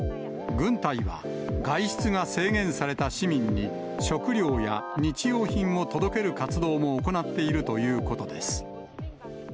軍隊は外出が制限された市民に、食料や日用品を届ける活動も行っているということです。